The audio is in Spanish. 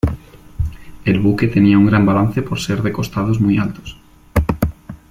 El buque tenía un gran balance por ser de costados muy altos.